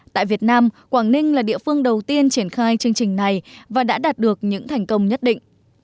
tại việt nam quảng ninh là địa phương đầu tiên triển khai chương trình này và đã đạt được những thành công nhất định